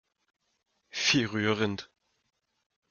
Wie rührend!